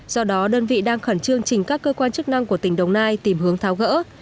do đó đơn vị đang khẩn trương trình các cơ quan chức năng của tỉnh đồng nai tìm hướng tháo gỡ